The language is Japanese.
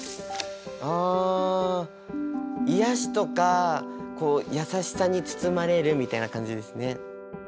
あいやしとかこう優しさに包まれるみたいな感じですね。